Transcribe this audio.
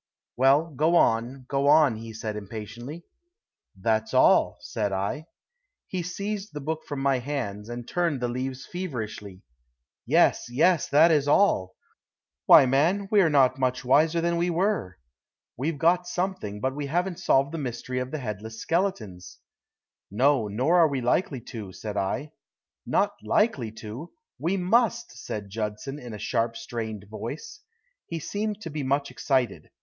"Well, go on; go on," he said impatiently. "That's all," said I. He seized the book from my hands, and turned the leaves feverishly. "Yes, yes. That is all. Why man, we're not much wiser than we were. We've got something, but we haven't solved the mystery of the headless skeletons." "No, nor are we likely to," said I. "Not likely to? We must!" said Judson, in a sharp, strained voice. He seemed to be much excited.